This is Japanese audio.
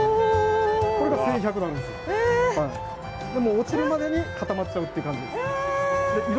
落ちるまでに固まっちゃうっていう感じです。え！？